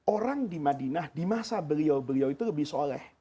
orang di madinah di masa beliau beliau itu lebih soleh